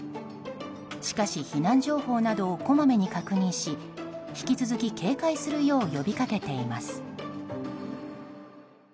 しかし、避難情報などをこまめに確認し引き続き、警戒するよう呼びかけています。